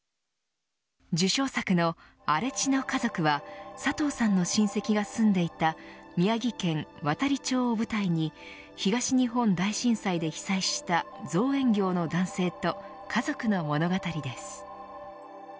受賞作の荒地の家族は佐藤さんの親戚が住んでいた宮城県亘理町を舞台に東日本大震災で被災した造園業の男性と家族の物語です。